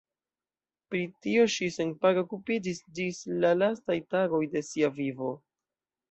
Pri tio ŝi senpage okupiĝis ĝis la lastaj tagoj de sia vivo.